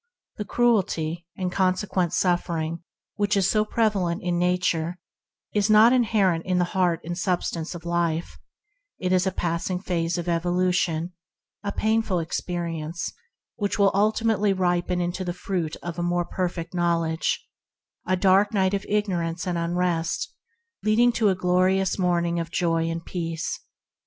The cruelty and consequent suffering so prevalent in Nature, is not inherent in the heart and substance of life; it is a passing phase of evolution, a painful 14 ENTERING THE KINGDOM experience, that will ultimately ripen into the fruit of a more perfect knowledge, a dark night of ignorance and unrest, leading to a glorious morning of joy and peace.